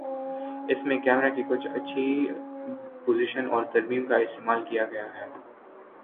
اس میں کیمرہ کی کچھ اچھی پوزیشن اور ترمیم کا استعمال کیا گیا ہے